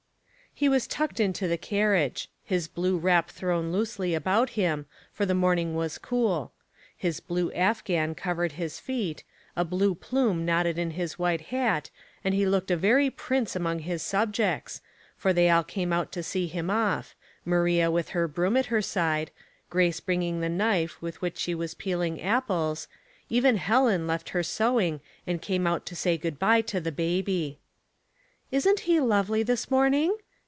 cV^SE was tucked into the carriage; his blue p^w wrap thrown loosely about him, for the ^S^ mornino^ was cool; his blue afohan cov ^^ ered his feet, a blue plume nodded in his white hat, and he looked a very prince among his subjects, for they all came out to see him off — Maria with her broom at her side, Grace bringing the knife with which she was peeling apples ; even Helen left her sewing and came out to say good by to the baby. " Isn't he lovely this morning